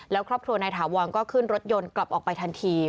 แล้วครอบครัวนายถาวรก็ขึ้นรถยนต์กลับออกไปทันที